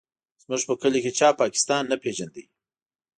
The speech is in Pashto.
زموږ په کلي کې چا پاکستان نه پېژانده.